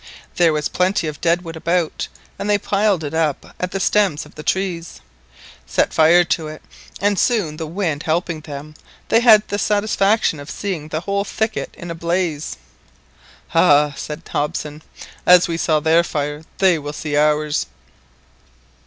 There was plenty of deadwood about, and they piled it up at the stems of the trees, set fire to it, and soon, the wind helping them, they had the satisfaction of seeing the whole thicket in a blaze "Ah!" said Hobson, "as we saw their fire, they will see ours!"